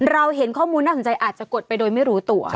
เราเห็นข้อมูลน่าสนใจอาจจะกดไปโดยไม่รู้ตัว